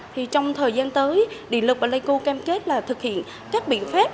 thì trong thời gian tới điện lực playco kem kết là thực hiện các biện pháp